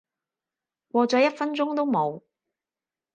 過咗一分鐘都冇